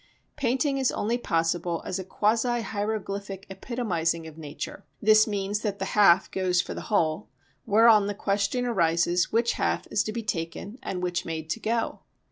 Painting is only possible as a quasi hieroglyphic epitomising of nature; this means that the half goes for the whole, whereon the question arises which half is to be taken and which made to go?